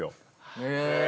へえ。